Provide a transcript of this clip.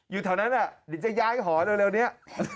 อยู่แถวนั้นเดี๋ยวจะย้ายหอเร็วนี้